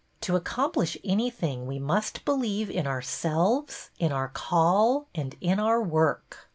To accomplish any thing we must believe in ourselves, in our call, and in our work."